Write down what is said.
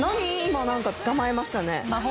今なんか捕まえましたね？